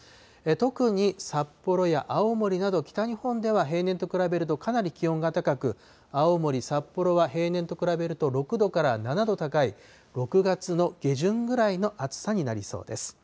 特に札幌や青森など、北日本では平年と比べるとかなり気温が高く、青森、札幌は平年と比べると、６度から７度高い、６月の下旬ぐらいの暑さになりそうです。